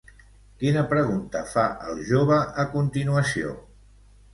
Quina pregunta fa el jove a continuació?